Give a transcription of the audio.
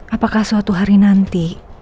apakah suatu hari nanti